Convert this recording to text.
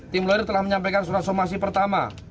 tim lawyer telah menyampaikan surat somasi pertama